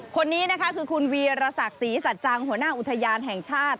คนนี้คือคุณวีรษักษีสัจจังหัวหน้าอุทยานแห่งชาติ